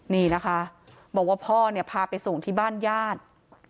นี่นะคะบอกว่าพ่อเนี่ยพาไปส่งที่บ้านญาติ